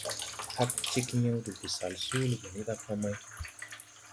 Hag cegyěw de busal Soole ɓɔ ni ɗa pa may.